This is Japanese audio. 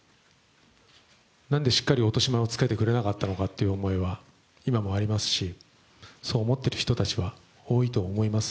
なんでしっかり落とし前をつけてくれなかったのかという気持ちは今もありますし、そう思っている人たちは多いと思います。